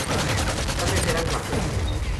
Sus padres eran campesinos.